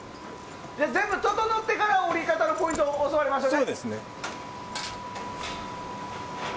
全部整ってから下り方のポイントを教わりましょうか。